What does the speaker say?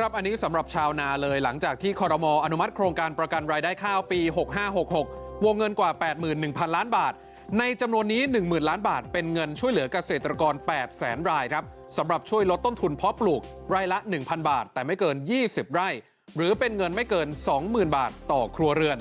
ว่าเท่าไหร่คือ๒หมื่นบาทต่อครัวเรือน